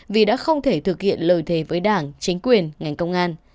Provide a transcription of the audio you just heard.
vì đã không thể thực hiện lời thề với đảng chính quyền ngành công an